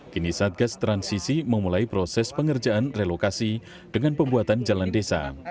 kini satgas transisi memulai proses pengerjaan relokasi dengan pembuatan jalan desa